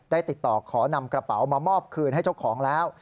ติดต่อขอนำกระเป๋ามามอบคืนให้เจ้าของแล้ว